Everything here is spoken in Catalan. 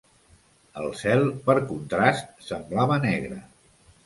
El cel, per contrast, semblava negre.